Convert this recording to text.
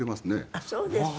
あっそうですか。